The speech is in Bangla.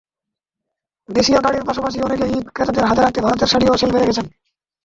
দেশীয় শাড়ির পাশাপাশি অনেকে ঈদ-ক্রেতাদের হাতে রাখতে ভারতের শাড়িও শেলফে রেখেছেন।